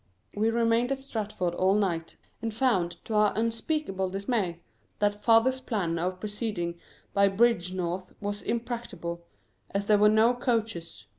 We remained at Stratford all night, and found to our unspeakable dismay that father's plan of proceeding by Bridgenorth was impracticable, as there were no coaches.